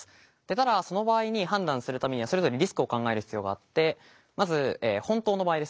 ただその場合に判断するためにはそれぞれリスクを考える必要があってまず本当の場合ですね